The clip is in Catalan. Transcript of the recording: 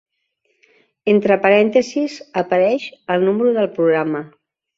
Entre parèntesis apareix el número del programa.